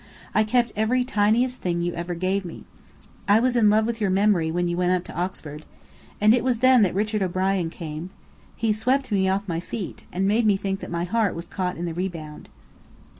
I kept every tiniest thing you ever gave me. I was in love with your memory when you went up to Oxford. And it was then Richard O'Brien came. He swept me off my feet, and made me think my heart was caught in the rebound.